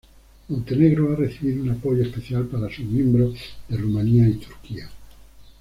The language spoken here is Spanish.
Montenegro ha recibido un apoyo especial para sus miembros de Rumania y Turquía.